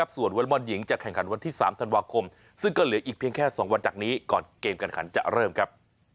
ส่วนวอเล็กบอลหญิงจะแข่งขันวันที่๓ธันวาคมซึ่งก็เหลืออีกเพียงแค่๒วันจากนี้ก่อนเกมการขันจะเริ่มครับ